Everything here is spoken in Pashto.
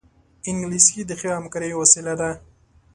انګلیسي د ښې همکارۍ وسیله ده